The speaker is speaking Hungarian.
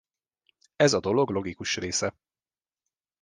Ez a dolog logikus része.